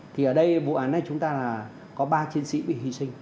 thì ở đây vụ án này chúng ta là có ba chiến sĩ bị hy sinh